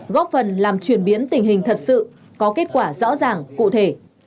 góp phần làm chuyển biến tình hình thật sự có kết quả rõ ràng cụ thể